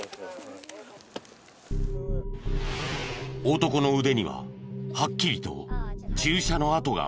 男の腕にははっきりと注射の痕が見つかった。